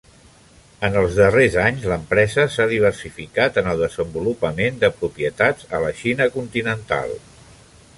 En els darrers anys, l'empresa s'ha diversificat en el desenvolupament de propietats a la Xina continental.